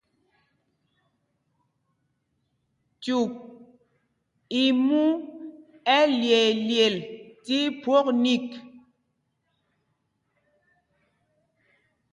Cyûk i mu malyeelyel tí phwok nyik.